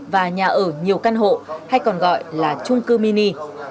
và nhà ở nhiều căn hộ hay còn gọi là trung cư mini